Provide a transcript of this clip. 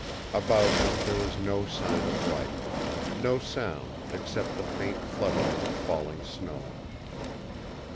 About him there was no sign of life, no sound except the faint fluttering of falling snow.